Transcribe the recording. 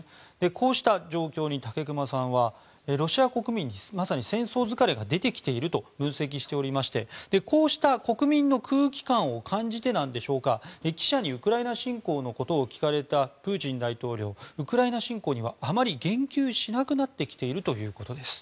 こうした状況に武隈さんはロシア国民にまさに戦争疲れが出てきていると分析しておりましてこうした国民の空気感を感じてでしょうか記者にウクライナ侵攻のことを聞かれたプーチン大統領はウクライナ侵攻にはあまり言及しなくなってきているということです。